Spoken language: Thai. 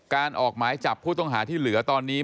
ออกหมายจับผู้ต้องหาที่เหลือตอนนี้